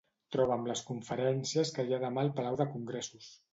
Troba'm les conferències que hi ha a demà al Palau de Congressos.